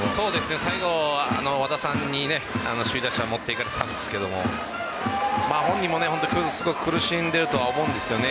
最後、和田さんに首位打者持っていかれたんですが本人も苦しんでると思うんですよね。